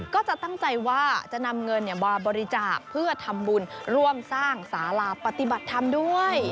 ก็จะตั้งใจว่าจะนำเงินมาบริจาคเพื่อทำบุญร่วมสร้างสาราปฏิบัติธรรมด้วย